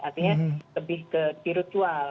artinya lebih ke spiritual